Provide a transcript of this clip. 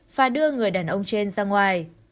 và đưa người đàn ông trên ra ngoài